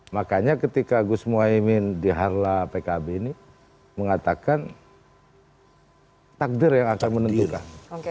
makanya ketika gus mohaimin diharla pkb ini mengatakan takdir yang akan menentukan